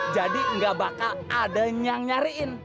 jadi gak bakal ada yang nyariin